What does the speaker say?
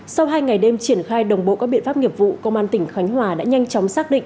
sau hai ngày đêm triển khai đồng bộ các biện pháp nghiệp vụ công an tỉnh khánh hòa đã nhanh chóng xác định